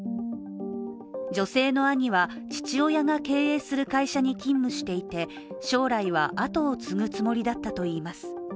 女性の兄は父親が経営する会社に勤務していて将来は、跡を継ぐつもりだったといいます。